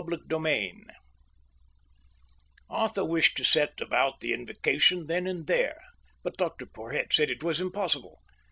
Chapter XV Arthur wished to set about the invocation then and there, but Dr Porhoët said it was impossible.